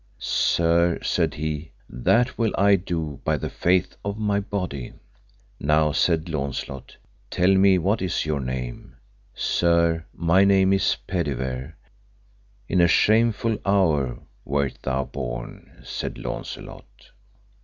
Sir, said he, that will I do, by the faith of my body. Now, said Launcelot, tell me what is your name? Sir, my name is Pedivere. In a shameful hour wert thou born, said Launcelot.